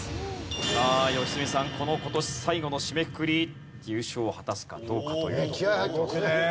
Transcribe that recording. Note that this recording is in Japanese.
さあ良純さんこの今年最後の締めくくり優勝を果たすかどうかというところ。